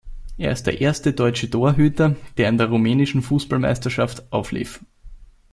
Er ist der erste deutsche Torhüter, der in der rumänischen Fußballmeisterschaft auflief.